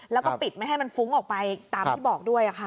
แล้วก็ปิดไม่ให้มันฟุ้งออกไปตามที่บอกด้วยค่ะ